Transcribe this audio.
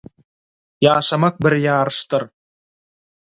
ýaşamak bir ýaryşdyr!